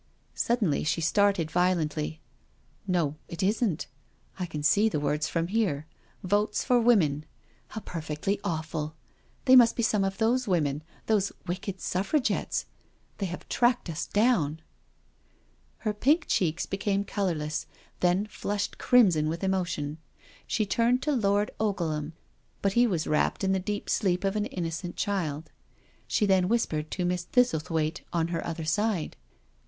..•*' Suddenly she started violently. " No, it isn't — I can see the words from here —* Votes for Women I ' How perfectly awful I They must be some of those women — those wicked Suffragettes. They have tracked us down." Her pink cheeks became colourless, then flushed crimson with emotion. She turned to Lord Oglehami but he was wrapt in the deep sleep of an innocent child. She then whispered to Miss Thistlethwaite on her other side.